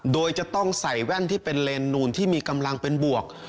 โดยจะต้องใส่แว่นที่เป็นเลนนูนที่มีกำลังเป็นบวก